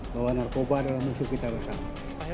bahwa narkoba adalah musuh kita bersama